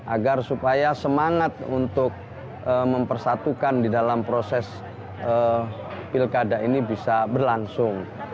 agar supaya semangat untuk mempersatukan di dalam proses pilkada ini bisa berlangsung